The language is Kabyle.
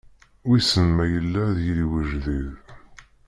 Wissen ma yella ad d-yili wejdid.